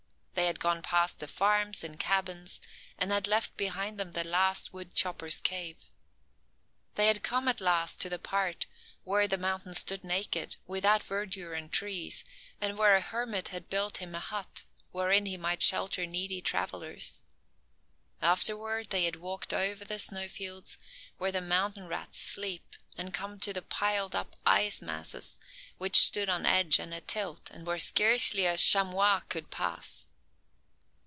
They had gone past the farms and cabins, and had left behind them the last wood chopper's cave. They had come at last to the part where the mountain stood naked, without verdure and trees, and where a hermit had built him a hut, wherein he might shelter needy travelers. Afterward, they had walked over the snowfields, where the mountain rats sleep, and come to the piled up ice masses, which stood on edge and a tilt, and where scarcely a chamois could pass.